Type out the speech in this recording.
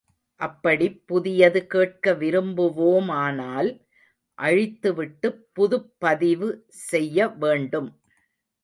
அப்படிப் புதியது கேட்க விரும்புவோமானால் அழித்து விட்டுப் புதுப்பதிவு செய்யவேண்டும்.